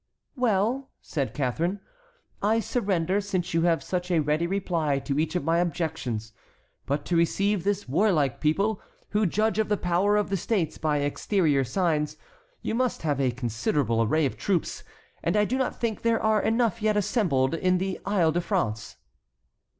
"Well," said Catharine, "I surrender, since you have such a ready reply to each of my objections. But to receive this warlike people, who judge of the power of the states by exterior signs, you must have a considerable array of troops, and I do not think there are enough yet assembled in the Isle de France."